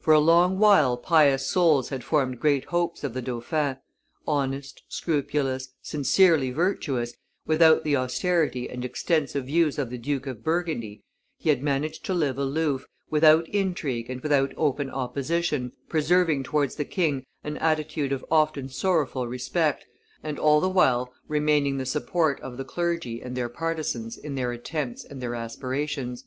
For a long while pious souls had formed great hopes of the dauphin; honest, scrupulous, sincerely virtuous, without the austerity and extensive views of the Duke of Burgundy, he had managed to live aloof, without intrigue and without open opposition, preserving towards the king an attitude of often sorrowful respect, and all the while remaining the support of the clergy and their partisans in their attempts and their aspirations.